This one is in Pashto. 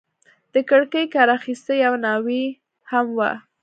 د کړکۍ کار اخیسته، یوه ناوې هم وه.